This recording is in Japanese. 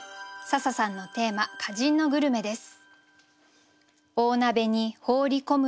笹さんのテーマ「歌人のグルメ」です。